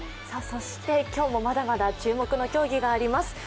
そして今日もまだまだ注目の競技があります。